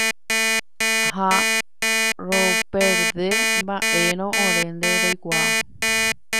Ha roperde mba'érõ orénte roikuaa.